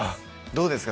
どうですか？